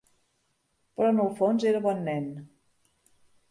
Però en el fons era bon nen.